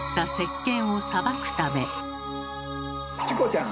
チコちゃん！